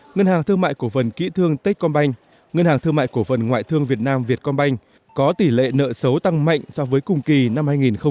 ngân hàng thương mại cổ phần kỹ thương tết con banh ngân hàng thương mại cổ phần ngoại thương việt nam việt con banh có tỷ lệ nợ xấu tăng mạnh so với cùng kỳ năm hai nghìn một mươi bảy